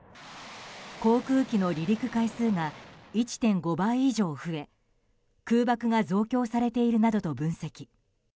航空機の離陸回数が１．５倍以上増え空爆が増強されているなどと分析。